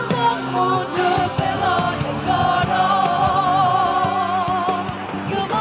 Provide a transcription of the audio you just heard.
menyebutkan bahwa kita bersama